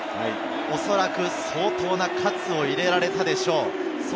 おそらく相当な喝を入れられたでしょう。